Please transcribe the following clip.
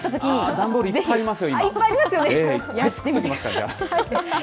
段ボールいっぱいありますよ、